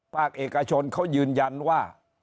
ภาคเอกชนเขายืนยันว่า